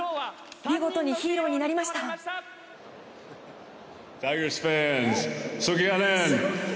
見事にヒーローになりましたが。